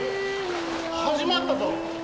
始まったぞ。